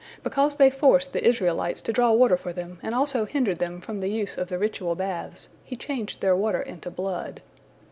Because they forced the Israelites to draw water for them, and also hindered them from the use of the ritual baths, He changed their water into blood.